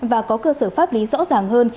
và có cơ sở pháp lý rõ ràng hơn